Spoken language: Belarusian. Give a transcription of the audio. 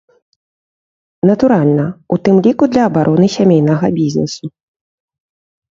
Натуральна, у тым ліку для абароны сямейнага бізнесу.